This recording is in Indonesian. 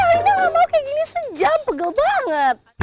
alina gak mau kayak gini sejam pegel banget